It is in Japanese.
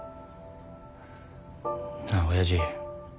なあおやじ。